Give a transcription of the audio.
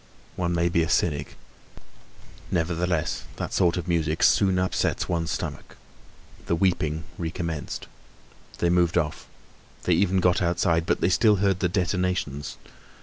One may be a cynic; nevertheless that sort of music soon upsets one's stomach. The weeping recommenced. They moved off, they even got outside, but they still heard the detonations.